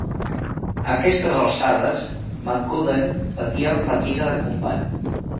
A aquestes alçades, McCudden patia fatiga de combat.